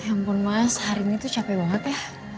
ampun mas hari ini tuh capek banget ya